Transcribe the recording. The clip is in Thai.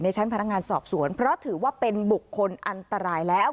ชั้นพนักงานสอบสวนเพราะถือว่าเป็นบุคคลอันตรายแล้ว